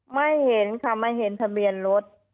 ไม่เห็นค่ะไม่เห็นทะเบียนรถ